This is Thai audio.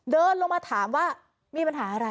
เดินลงมาถามว่ามีปัญหาอะไร